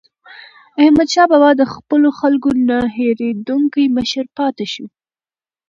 احمدشاه بابا د خپلو خلکو نه هېریدونکی مشر پاتې سو.